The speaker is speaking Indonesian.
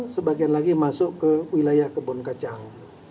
sebagian lagi masuk ke wilayah kebun kacang